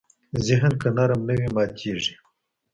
ذهن که نرم نه وي، ماتېږي.